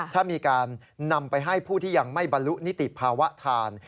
ถ้ามีการนำไปให้ผู้ที่ยังไม่บรรลุนิติภาวะทาน